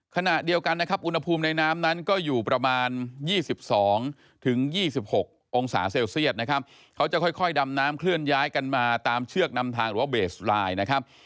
ขณะเดียวกันนะครับอุณหภูมิในน้ำนั้นก็อยู่ประมาณ๒๒๒๖องศาเซลเซียตนะครับเขาจะค่อยดำน้ำเคลื่อนย้ายกันมาตามเชือกนำทางหรือว่าเบสไลน์นะครับ